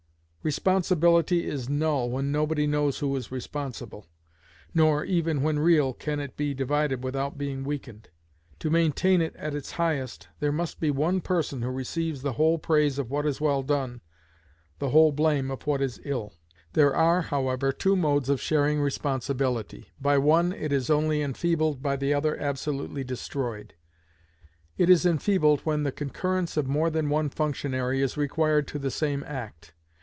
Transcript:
Responsibility is null when nobody knows who is responsible; nor, even when real, can it be divided without being weakened. To maintain it at its highest, there must be one person who receives the whole praise of what is well done, the whole blame of what is ill. There are, however, two modes of sharing responsibility; by one it is only enfeebled, by the other absolutely destroyed. It is enfeebled when the concurrence of more than one functionary is required to the same act.